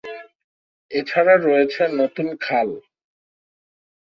এছাড়া রয়েছে নতুন খাল।